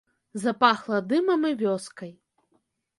Запахла дымам і вёскай.